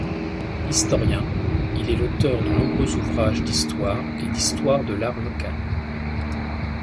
Historien, il est l'auteur de nombreux ouvrages d'histoire et d'histoire de l'art locale.